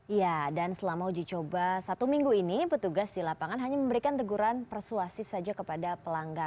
iya dan selama uji coba satu minggu ini petugas di lapangan hanya memberikan teguran persuasif saja kepada pelanggan